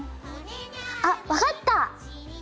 あっ分かった！